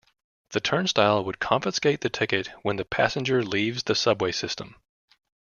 The turnstile would confiscate the ticket when the passenger leaves the subway system.